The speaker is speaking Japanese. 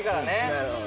なるほど。